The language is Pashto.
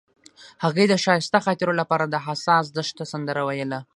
هغې د ښایسته خاطرو لپاره د حساس دښته سندره ویله.